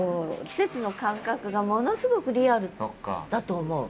季節の感覚がものすごくリアルだと思う。